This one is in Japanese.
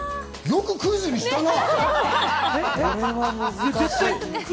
よくクイズにしたな。